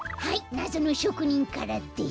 なぞのしょくにんからです。